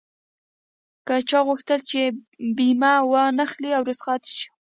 که چا غوښتل چې بيمه و نه اخلي او رخصت شم.